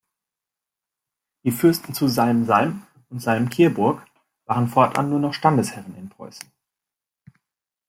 Die Fürsten zu Salm-Salm und Salm-Kyrburg waren fortan nur noch Standesherren in Preußen.